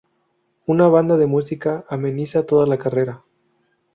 Una banda de música ameniza toda la carrera.